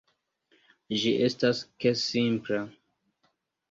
Ĝi estas ke simpla.